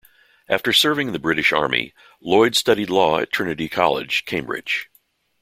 After serving in the British Army, Lloyd studied law at Trinity College, Cambridge.